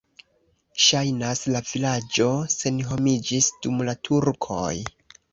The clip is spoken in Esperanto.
Ŝajnas, la vilaĝo senhomiĝis dum la turkoj.